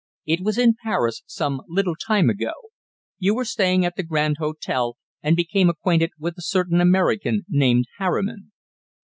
It was in Paris, some little time ago. You were staying at the Grand Hotel, and became acquainted with a certain American named Harriman."